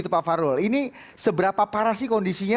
pak farul ini seberapa parah sih kondisinya